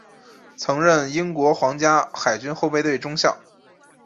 曾任英国皇家海军后备队中校。